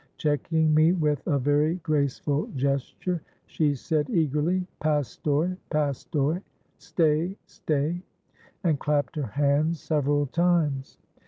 Checking me with a very graceful gesture, she said eagerly, 'Pastoy! Pastoy!' (Stay, stay!) and clapped her hands several times.